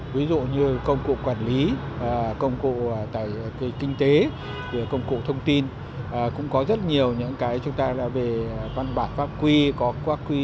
với mọi người